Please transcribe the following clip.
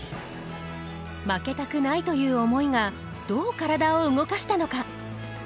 負けたくないという思いがどう体を動かしたのか。